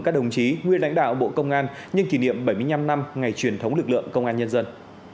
các đồng chí nguyên lãnh đạo bộ công an nhân kỷ niệm bảy mươi năm năm ngày truyền thống lực lượng công an nhân dân